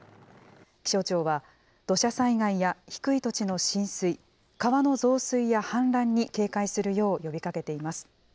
気象庁は、土砂災害や低い土地の浸水、川の増水や氾濫に警戒するよう呼びかけています。